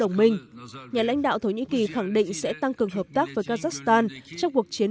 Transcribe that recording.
đồng minh nhà lãnh đạo thổ nhĩ kỳ khẳng định sẽ tăng cường hợp tác với kazakhstan trong cuộc chiến